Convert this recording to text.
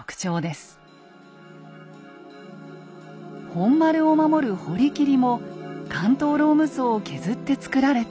本丸を守る堀切も関東ローム層を削って造られたもの。